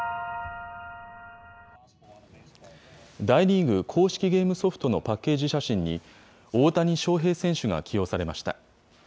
大リーグ公式ゲームソフトのパッケージ写真に、大谷翔平選手が起用されました。